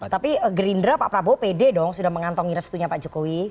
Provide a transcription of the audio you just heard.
tapi gerindra pak prabowo pede dong sudah mengantongi restunya pak jokowi